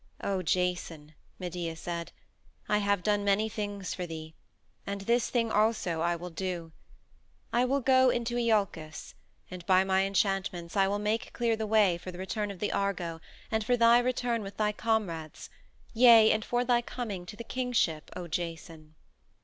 "O Jason," Medea said, "I have done many things for thee and this thing also I will do. I will go into Iolcus, and by my enchantments I will make clear the way for the return of the Argo and for thy return with thy comrades yea, and for thy coming to the kingship, O Jason."